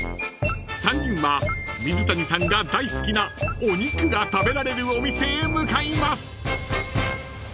［３人は水谷さんが大好きなお肉が食べられるお店へ向かいます］